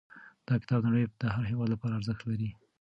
دا کتاب د نړۍ د هر هېواد لپاره ارزښت لري.